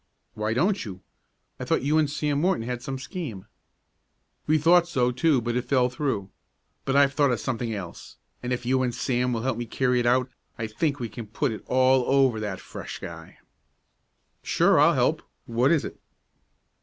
"Why don't you? I thought you and Sam Morton had some scheme." "We thought so, too, but it fell through. But I've thought of something else, and if you and Sam will help me carry it out, I think we can put it all over that fresh guy." "Sure, I'll help; what is it?"